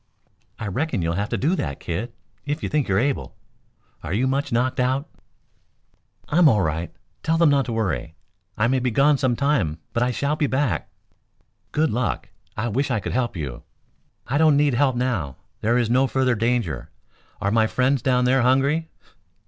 "I reckon you'll have to do that, kid, if you think you're able. Are you much knocked out?" "I'm all right. Tell them not to worry. I may be gone some time, but I shall be back." "Good luck! I wish I could help you." "I don't need help now. There is no further danger. Are my friends down there hungry?"